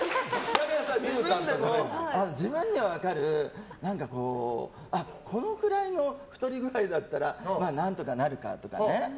だからさ、自分では分かるこのくらいの太り具合だったら何とかなるかとかね。